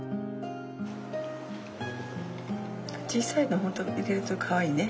小さいの本当入れるとかわいいね。